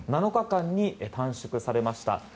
７日間に短縮されました。